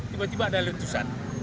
tiba tiba ada letusan